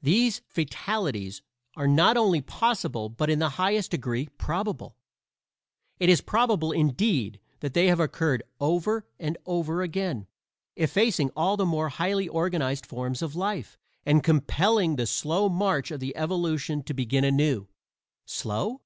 These fatalities are not only possible but in the highest degree probable. It is probable, indeed, that they have occurred over and over again, effacing all the more highly organized forms of life, and compelling the slow march of evolution to begin anew. Slow?